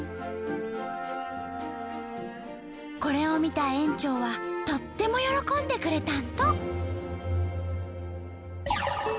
これを見た園長はとっても喜んでくれたんと！